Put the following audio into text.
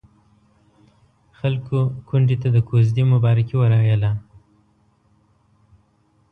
خلکو کونډې ته د کوژدې مبارکي ويله.